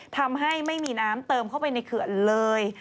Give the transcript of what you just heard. ทำให้ไม่มีน้ำเติมเข้าไปในเขื่อนเลย